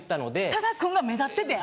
多田くんが目立っててん。